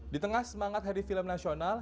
di tengah semangat hari film nasional